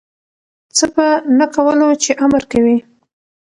څه په نه کولو چی امر کوی